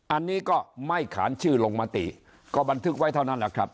อันนี้ก็ไม่ขานชื่อลงมติก็บันทึกไว้เท่านั้นแหละครับ